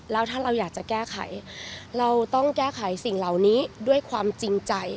แล้วถ้าเราอยากจะแก้ไขเราต้องแก้ไขสิ่งเหล่านี้ด้วยความจริงใจ